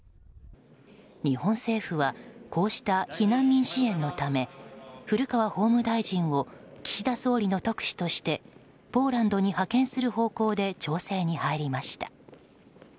日本政府はこうした避難民支援のため古川法務大臣を岸田総理の特使としてポーランドに派遣する方向で調整に入りました。